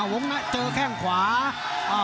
ภูตวรรณสิทธิ์บุญมีน้ำเงิน